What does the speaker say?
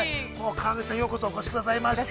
川口さん、ようこそお越しくださいました。